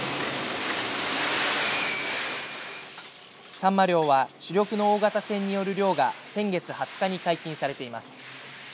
さんま漁は主力の大型船による漁が先月２０日に解禁されています。